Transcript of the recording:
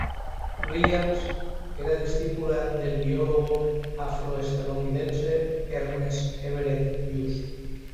Williams era discípula del biólogo afroestadounidense Ernest Everett Just.